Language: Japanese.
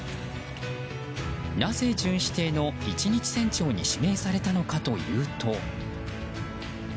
なぜ巡視艇の１日船長に指名されたのかというと。